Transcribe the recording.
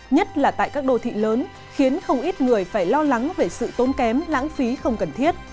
nhất là tại các đô thị lớn khiến không ít người phải lo lắng về sự tốn kém lãng phí không cần thiết